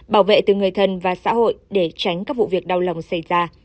bảo vệ từ người thân và xã hội để tránh các vụ việc đau lòng xảy ra